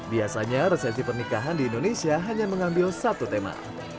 biasanya resesi pernikahan di indonesia hanya mengambil satu tema